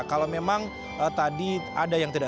kalau memang tadi ada yang tidak